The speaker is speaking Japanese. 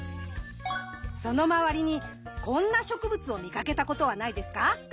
その周りにこんな植物を見かけたことはないですか？